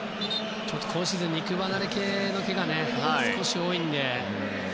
今シーズン肉離れ系のけがが少し多いので。